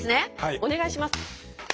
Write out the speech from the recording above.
お願いします。